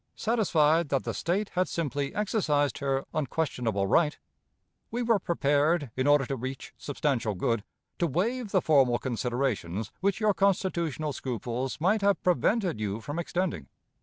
Satisfied that the State had simply exercised her unquestionable right, we were prepared, in order to reach substantial good, to waive the formal considerations which your constitutional scruples might have prevented you from extending.